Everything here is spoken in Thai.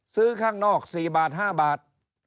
ซื้อข้างนอก๔บาท๕บาท